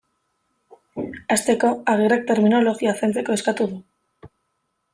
Hasteko, Agirrek terminologia zaintzeko eskatu du.